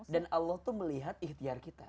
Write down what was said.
dan allah tuh melihat ihtiar kita